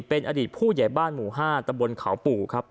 เป็นอดีตผู้ใหญ่บ้านหมู่๕ตะบนเขาปู่ครับ